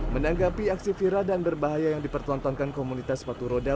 menanggapi aksi viral dan berbahaya yang dipertontonkan komunitas sepatu roda